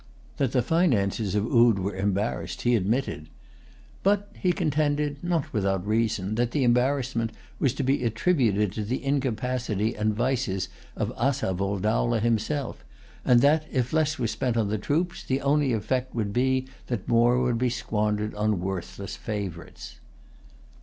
That the finances of Oude were embarrassed he admitted. But he contended, not without reason, that the embarrassment was to be attributed to the incapacity and vices of Asaph ul Dowlah himself, and that, if less were spent on the troops, the only effect would be that more would be squandered on worthless favorites.